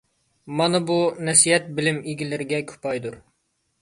مانا بۇ نەسىھەت بىلىم ئىگىلىرىگە كۇپايىدۇر.